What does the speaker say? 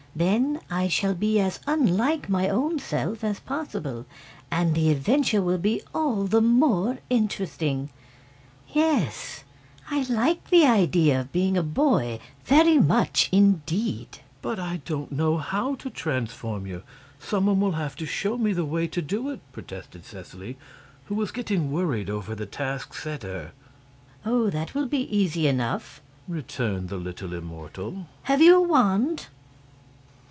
Then I shall be as unlike my own self as possible, and the adventure will be all the more interesting. Yes; I like the idea of being a boy very much indeed." "But I don't know how to transform you; some one will have to show me the way to do it," protested Seseley, who was getting worried over the task set her. "Oh, that will be easy enough," returned the little immortal. "Have you a wand?"